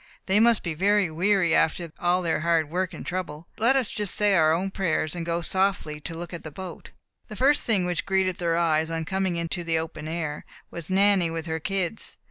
"They must be very weary after all their hard work and trouble. Let us just say our own prayers, and go out softly to look at the boat." The first thing which greeted their eyes, on coming to the open air, was Nanny with her kids.